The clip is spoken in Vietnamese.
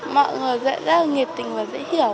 mọi người rất là nghiệt tình và dễ hiểu